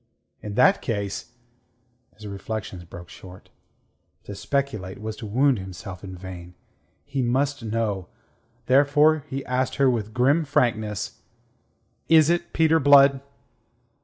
In that case ... His reflections broke short. To speculate was to wound himself in vain. He must know. Therefore he asked her with grim frankness: "Is it Peter Blood?"